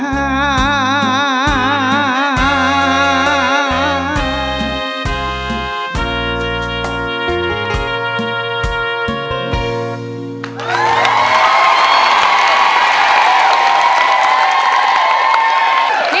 ก็เมื่อต่อกับโปรด